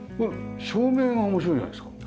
照明が面白いじゃないですか。